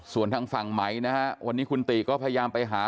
ส่วนทางฝั่งไหมนะฮะวันนี้คุณติก็พยายามไปหา